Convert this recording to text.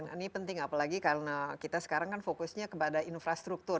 ini penting apalagi karena kita sekarang kan fokusnya kepada infrastruktur